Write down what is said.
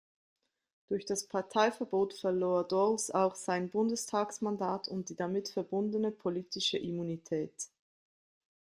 Durch das Parteiverbot verlor Dorls auch sein Bundestagsmandat und die damit verbundene politische Immunität.